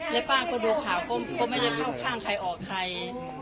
แล้วป้าก็ดูข่าวก็ไม่ได้เข้าข้างใครออกใคร